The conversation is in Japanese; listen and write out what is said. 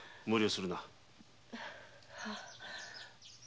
無理をするな。